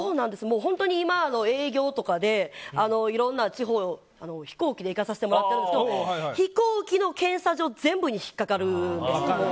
本当に今、営業とかでいろんな地方、飛行機で行かさせてもらってるんですけど飛行機の検査場全部に引っかかるんで。